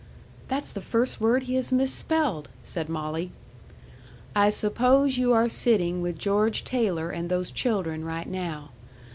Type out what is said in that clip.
("That's the first word he has misspelled," said Molly.) I suppose you are sitting with George Taylor and those children right now.